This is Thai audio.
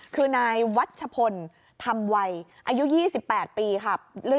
คือนายวัชพลธรรมวัยอายุ๒๘ปีค่ะ